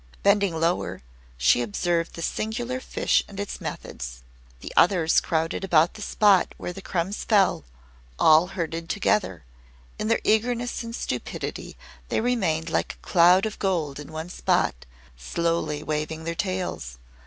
Bending lower, she observed this singular fish and its methods. The others crowded about the spot where the crumbs fell, all herded together. In their eagerness and stupidity they remained like a cloud of gold in one spot, slowly waving their tails.